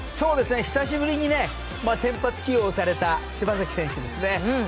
久しぶりに先発起用された柴崎選手ですね。